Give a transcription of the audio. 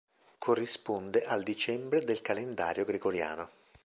Corrisponde al dicembre del calendario gregoriano.